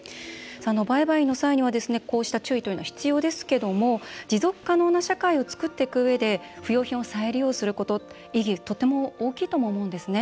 売買の際にはこうした注意というのは必要ですけども持続可能な社会を作っていくうえで不用品を再利用することの意義とても大きいと思うんですね。